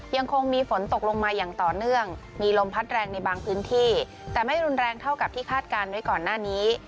ยังคงมีฝนตกลงมาอย่างต่อเนื่องมีลมพัดแรงในบางพื้นที่แต่ไม่รุนแรงเท่ากับที่คาดการณ์ไว้ก่อนหน้านี้